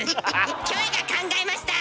キョエが考えました！